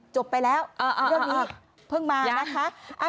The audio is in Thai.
จบไปแล้วเรื่องนี้เพิ่งมานะคะ